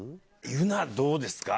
ユナどうですか？